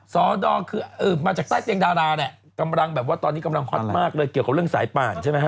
สดอคือมาจากใต้เตียงดาราเนี่ยกำลังแบบว่าตอนนี้กำลังฮอตมากเลยเกี่ยวกับเรื่องสายป่านใช่ไหมฮ